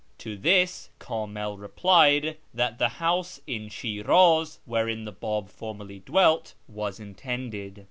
To tliis Kamil replied that the house in Shin'iz wherein the Bub formerly dwelt was intended.